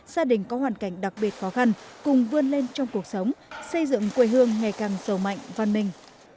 gia đình có hoàn cảnh đặc biệt khó khăn cùng vươn lên trong cuộc sống xây dựng quê hương ngày càng sầu mạnh văn minh